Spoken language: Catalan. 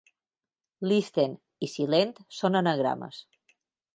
"Listen" i "silent" són anagrames.